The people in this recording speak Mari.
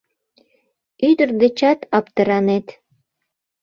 Ӱдыр дечат аптыранет!